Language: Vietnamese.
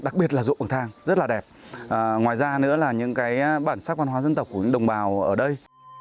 đặc biệt là ruộng bậc thang rất là đẹp ngoài ra nữa là những cái bản sắc văn hóa dân tộc của đồng bào ở đây